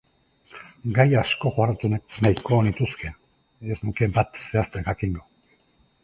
Gai asko jorratu nahiko nituzke, ez nuke bat zehazten jakingo.